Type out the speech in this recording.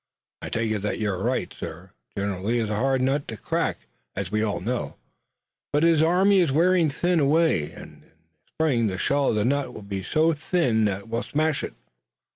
"I take it that you're right, sir. General Lee is a hard nut to crack, as we all know, but his army is wearing away. In the spring the shell of the nut will be so thin that we'll smash it."